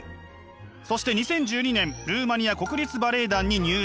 そして２０１２年ルーマニア国立バレエ団に入団。